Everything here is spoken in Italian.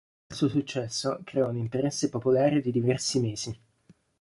Il suo successo creò un interesse popolare di diversi mesi.